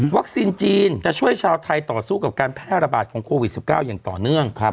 จีนจะช่วยชาวไทยต่อสู้กับการแพร่ระบาดของโควิด๑๙อย่างต่อเนื่อง